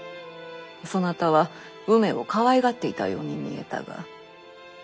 そなたは梅をかわいがっていたように見えたが。